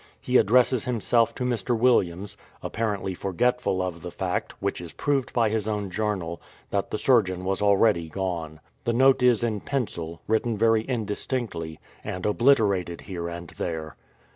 He addresses himself to Mr. Williams — apparently forgetful of the fact (which is proved by his own journal) that the surgeon was already gone. The note is in pencil, written very indistinctly, and obliterated here and there.